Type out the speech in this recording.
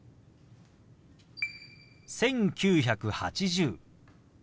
「１９８０」。